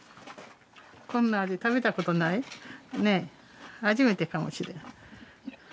こんな味食べたことない？ねえ初めてかもしれん。